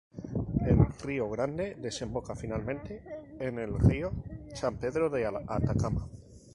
El río Grande desemboca finalmente en el río San Pedro de Atacama.